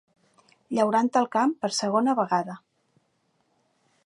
Llaurant el camp per segona vegada.